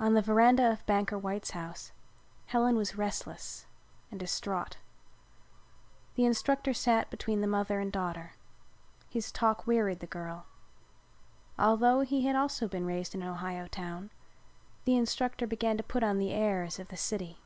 On the veranda of Banker White's house Helen was restless and distraught. The instructor sat between the mother and daughter. His talk wearied the girl. Although he had also been raised in an Ohio town, the instructor began to put on the airs of the city.